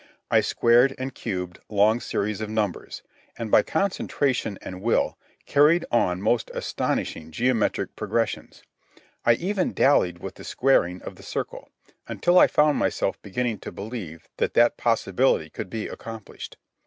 I squared and cubed long series of numbers, and by concentration and will carried on most astonishing geometric progressions. I even dallied with the squaring of the circle ... until I found myself beginning to believe that that possibility could be accomplished.